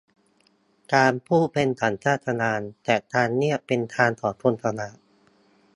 การพูดเป็นสัญชาตญาณ แต่การเงียบเป็นทางของคนฉลาด